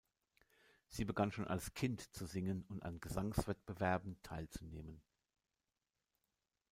Sie begann schon als Kind, zu singen und an Gesangswettbewerben teilzunehmen.